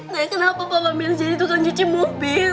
naya kenapa papa minta jadi tukang cuci mobil